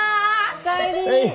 お帰り。